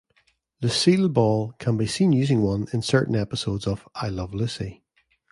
Lucille Ball can be seen using one in certain episodes of "I Love Lucy".